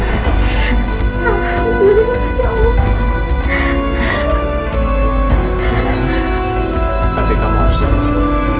tidak tapi kamu harus janji